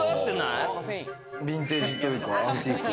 ヴィンテージというかアンティーク？